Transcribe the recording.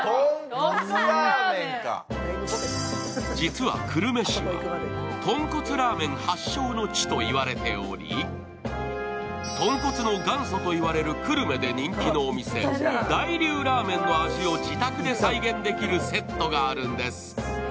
実は久留米市は豚骨ラーメン発祥の地と言われており、とんこつの元祖といわれる久留米で人気のお店大龍ラーメンの味を自宅で再現できるセットがあるんです。